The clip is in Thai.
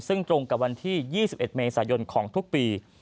ซึ่งตรงกับวันที่๒๑เมษายนของทุกปี